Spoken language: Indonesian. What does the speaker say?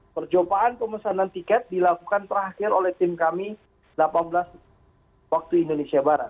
percobaan pemesanan tiket dilakukan terakhir oleh tim kami delapan belas waktu indonesia barat